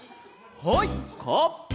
はいカッパ！